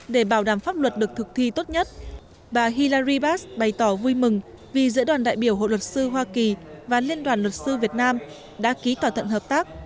để bảo đảm pháp luật được thực thi tốt nhất bà hillaribass bày tỏ vui mừng vì giữa đoàn đại biểu hội luật sư hoa kỳ và liên đoàn luật sư việt nam đã ký thỏa thuận hợp tác